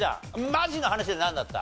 マジな話でなんだった？